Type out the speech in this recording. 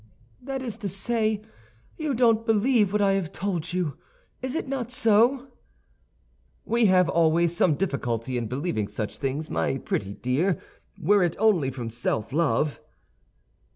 "That is to say, you don't believe what I have told you; is it not so?" "We have always some difficulty in believing such things, my pretty dear, were it only from self love."